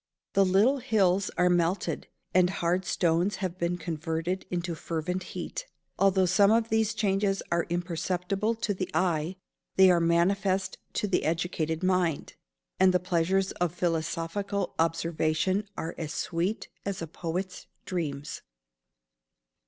The little "hills are melted," and hard stones have been converted into "fervent heat." Although some of these changes are imperceptible to the eye, they are manifest to the educated mind; and the pleasures of philosophical observation are as sweet as a poet's dreams.